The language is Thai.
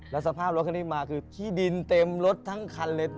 แล้วสภาพรถคันนี้มาคือที่ดินเต็มรถทั้งคันเลย